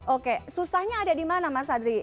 oke susahnya ada di mana mas adri